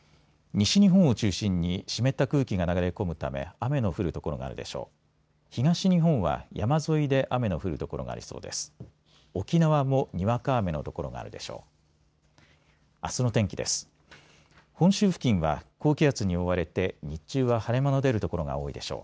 西日本を中心に湿った空気が流れ込むため雨の降る所があるでしょう。